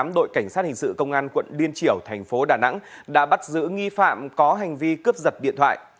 đội cảnh sát hình sự công an quận liên triểu thành phố đà nẵng đã bắt giữ nghi phạm có hành vi cướp giật điện thoại